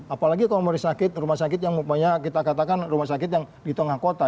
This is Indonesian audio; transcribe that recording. apalagi kalau rumah sakit yang kita katakan rumah sakit yang di tengah kota